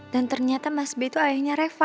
dan ternyata mas b itu ayahnya reva